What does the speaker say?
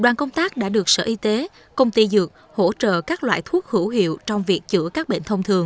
đoàn công tác đã được sở y tế công ty dược hỗ trợ các loại thuốc hữu hiệu trong việc chữa các bệnh thông thường